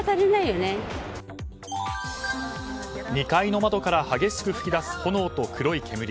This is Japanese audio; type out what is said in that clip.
２階の窓から激しく噴き出す炎と黒い煙。